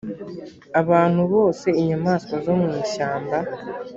abantu bose inyamaswa zo mu ishyamba